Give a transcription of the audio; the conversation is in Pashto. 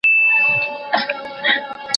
ما ښه مه کړې، ماپه ښو خلگو واده کړې.